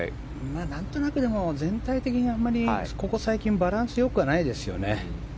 何となく全体的に、ここ最近バランスよくはないですよね。